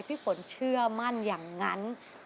พี่ฝนเชื่อมั่นอย่างนั้น